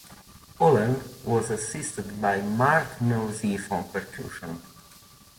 Holland was assisted by Mark Nauseef on percussion.